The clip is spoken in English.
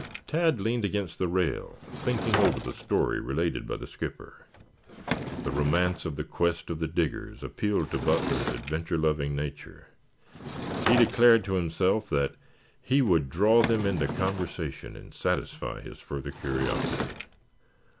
Tad leaned against the rail thinking over the story related by the skipper. The romance of the quest of the Diggers appealed to Butler's adventure loving nature. He declared to himself that he would draw them into conversation and satisfy his further curiosity.